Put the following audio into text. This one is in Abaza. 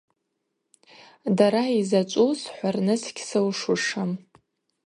Дара йзачӏву схӏварныс гьсылшушым.